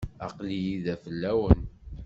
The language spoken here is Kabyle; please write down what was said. Aql-iyi da fell-awen.